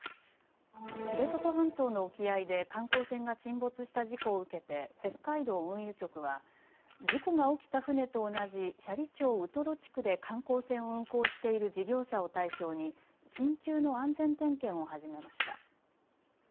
知床半島の沖合で観光船が沈没した事故を受けて北海道運輸局は事故が起きた船と同じ斜里町ウトロ地区で観光船を運航している事業者を対象に緊急の安全点検を始めました。